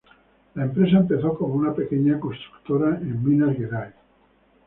La empresa empezó como una pequeña constructora en Minas Gerais.